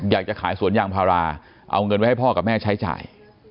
อยากจะขายสวนยางพาราเอาเงินไว้ให้พ่อกับแม่ใช้จ่าย